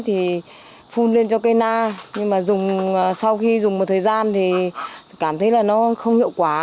thì phun lên cho cây na nhưng mà dùng sau khi dùng một thời gian thì cảm thấy là nó không hiệu quả